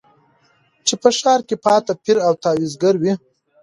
چي په ښار کي پاته پیر او تعویذګروي